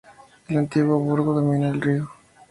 El antiguo burgo domina el río.